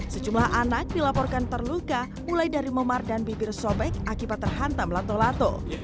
sejumlah anak dilaporkan terluka mulai dari memar dan bibir sobek akibat terhantam lato lato